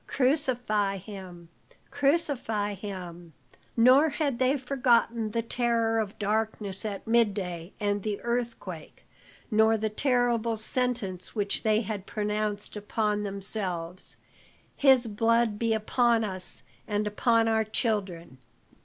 Crucify him crucify him!" Nor had they forgotten the terror of darkness at midday and the earthquake, nor the terrible sentence which they had pronounced upon themselves: "His blood be upon us and upon our children."